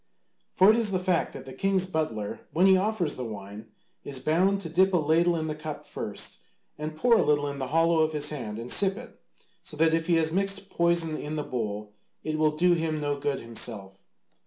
For it is the fact that the king's butler when he offers the wine is bound to dip a ladle in the cup first, and pour a little in the hollow of his hand and sip it, so that if he has mixed poison in the bowl it will do him no good himself.